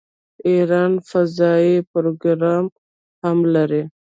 ایران فضايي پروګرام هم لري.